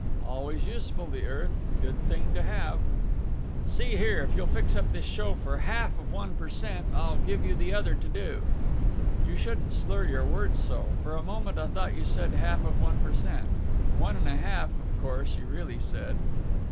"Always useful, the earth. Good thing to have." "See here, if you'll fix up this show for half of one per cent, I'll give you the other to do." "You shouldn't slur your words so. For a moment I thought you said 'half of one per cent. One and a half of course you really said.